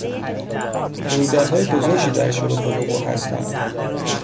رویدادهای بزرگی در شرف وقوع هستند.